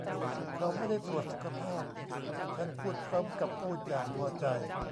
'เขาไม่ได้ตรวจสุขภาพ' ฉันพูดพร้อมกับพูดอย่างพอใจ